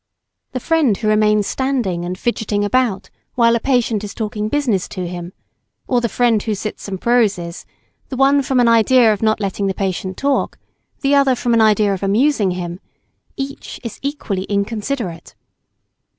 The friend who remains standing and fidgetting about while a patient is talking business to him, or the friend who sits and proses, the one from an idea of not letting the patient talk, the other from an idea of amusing him, each is equally inconsiderate.